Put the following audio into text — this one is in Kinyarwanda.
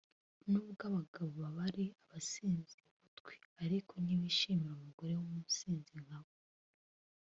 nubwo aba bagabo baba ari abasinzi butwi ariko ntibishimira umugore w’umusinzi nkabo